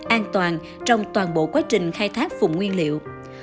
an toàn trong toàn bộ quá trình khai thác vùng nguyên liệu